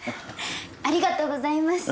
ありがとうございます。